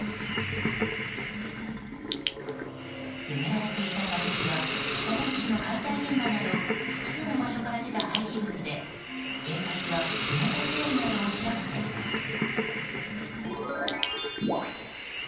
埋められていたがれきは木更津市の解体現場など複数の場所から出た廃棄物で警察は埋めた経緯などを調べています。